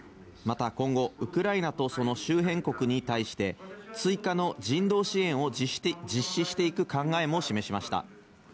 また今後、ウクライナとその周辺国に対して追加の人道支援を実施していく考えも示しました。